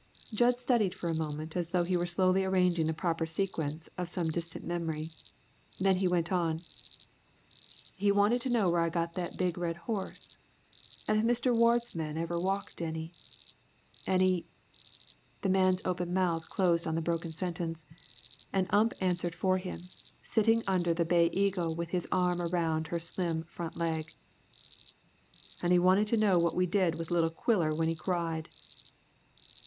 Jud studied for a moment as though he were slowly arranging the proper sequence of some distant memory. Then he went on. "He wanted to know where I got that big red horse, an' if Mr. Ward's men ever walked any, an' he " The man's open mouth closed on the broken sentence, and Ump answered for him, sitting under the Bay Eagle with his arm around her slim front leg. "An' he wanted to know what we did with little Quiller when he cried."